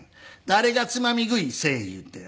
誰がつまみ食いせえ言うてん。